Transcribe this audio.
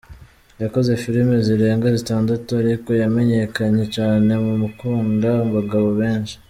Yakoze film zirenga zitandatu ariko yamenyekanye cane mu gukunda abagabo benshi.